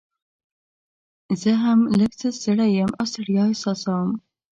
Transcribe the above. زه هم لږ څه ستړی یم او ستړیا احساسوم.